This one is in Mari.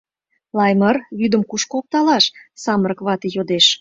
— Лаймыр, вӱдым кушко опталаш? — самырык вате йодеш.